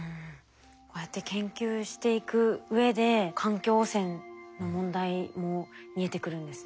こうやって研究していくうえで環境汚染の問題も見えてくるんですね。